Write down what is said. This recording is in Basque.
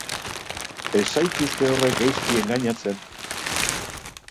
Ez zaituzte horrek gaizki engainatzen!